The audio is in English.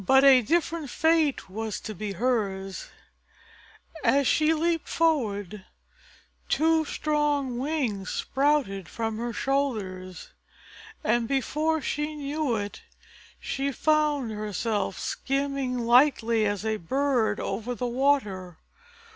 But a different fate was to be hers. As she leaped forward two strong wings sprouted from her shoulders, and before she knew it she found herself skimming lightly as a bird over the water.